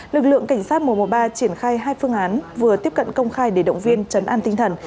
lực lượng cảnh sát một trăm một mươi ba triển khai hai phương án vừa tiếp cận công khai để động viên trấn an tinh thần